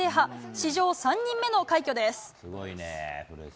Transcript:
史上３人目の快挙です。